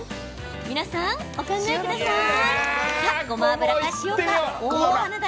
皆さん、お考えください。